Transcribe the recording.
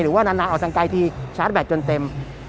หรือว่านานออกทางไกลที่ชาร์จแบตจนเต็ม